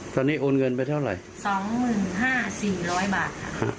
ตอนนี้โอนเงินไปเท่าไหร่๒๕๐๐๔๐๐บาทค่ะ